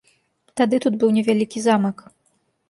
Тады тут быў невялікі замак.